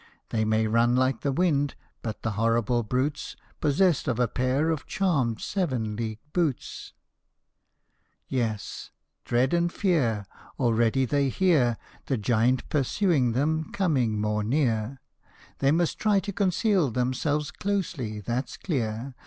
They may run like the wind but the horrible brute's Possessed of a pair of charmed Seven League Boots ! Yes ! dread and fear ! Already they hear The giant pursuing them coming more near : They must try to conceal themselves closely, that 's clear.